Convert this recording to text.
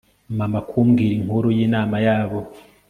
mama kumbwira inkuru y'inama yabo